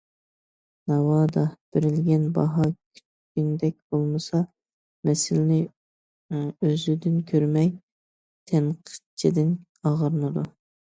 ناۋادا بېرىلگەن باھا كۈتكىنىدەك بولمىسا، مەسىلىنى ئۆزىدىن كۆرمەي، تەنقىدچىدىن ئاغرىنىدۇ.